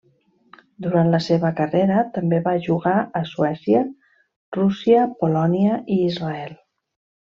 Durant la seva carrera també va jugar a Suècia, Rússia, Polònia i Israel.